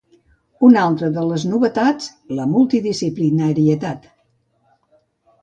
Un altra de les novetats la multidisciplinarietat.